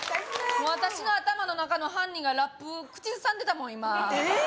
もう私の頭の中の犯人がラップ口ずさんでたもん今ええっ！？